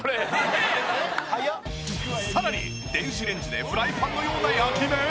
さらに電子レンジでフライパンのような焼き目！？